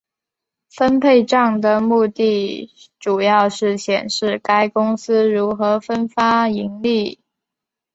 分配帐的目的主要是显示该公司如何分发盈利。